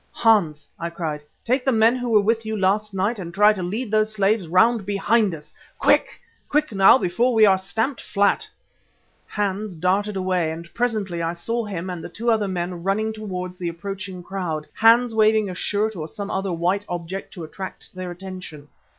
"Hans," I cried, "take the men who were with you last night and try to lead those slaves round behind us. Quick! Quick now before we are stamped flat." Hans darted away, and presently I saw him and the two other men running towards the approaching crowd, Hans waving a shirt or some other white object to attract their attention.